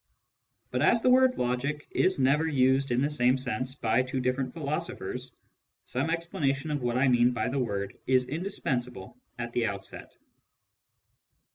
But as the word " logic " is never used in the same sense by two different philosophers, some explanation of what I mean by the word is indispensable at the outset.